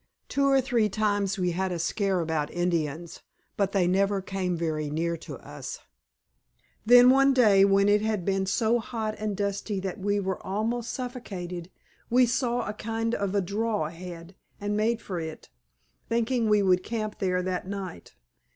Two or three times we had a scare about Indians, but they never came very near to us. Then one day when it had been so hot and dusty that we were all almost suffocated we saw a kind of a draw ahead and made for it, thinking we would camp there that night.